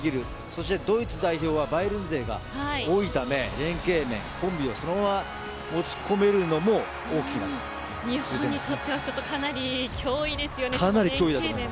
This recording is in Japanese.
そしてドイツ代表はバイエルン勢が多いため連係面コンビをそのまま日本にとってはかなり脅威ですよね。